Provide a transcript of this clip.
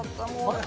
あれ？